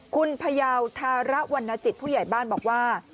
คุณพยาวธาระวรรณจิตผู้ใหญ่บ้านบอกว่า